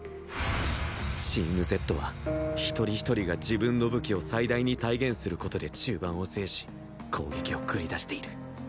チーム Ｚ は一人ひとりが自分の武器を最大に体現する事で中盤を制し攻撃を繰り出している